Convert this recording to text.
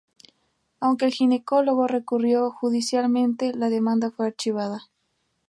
Aunque el ginecólogo recurrió judicialmente, la demanda fue archivada.